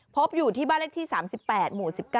พบอยู่ที่บ้านเลขที่๓๘หมู่๑๙